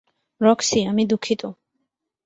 Roxie, আমি দুঃখিত।